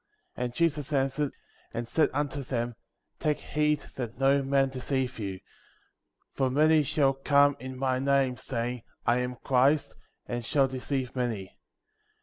5. And Jesus answered, and said unto them : Take heed that no man deceive you ; 6. For many shall come in my name, saying — I am Christ — and shall deceive many; 7.